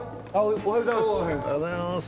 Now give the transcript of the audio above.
おはようございます。